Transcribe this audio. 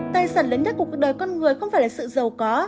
tài sản lớn nhất của cuộc đời con người không phải là sự giàu có